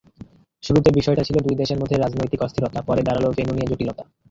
শুরুতে বিষয়টা ছিল দুই দেশের মধ্যে রাজনৈতিক অস্থিরতা, পরে দাঁড়াল ভেন্যু নিয়ে জটিলতা।